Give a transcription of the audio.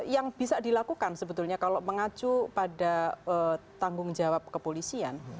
yang bisa dilakukan sebetulnya kalau mengacu pada tanggung jawab kepolisian